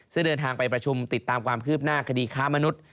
ซึ่งเดินทางไปประชุมติดตามความคืบหน้าคดีค้ามนุษย์